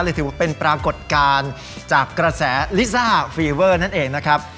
ถือว่าเป็นปรากฏการณ์จากกระแสลิซ่าฟีเวอร์นั่นเองนะครับ